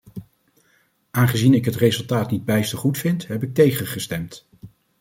Aangezien ik het resultaat niet bijster goed vind heb ik tegen gestemd.